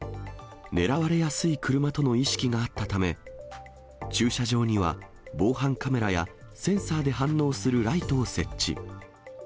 狙われやすい車との意識があったため、駐車場には防犯カメラやセンサーで反応するライトを設置。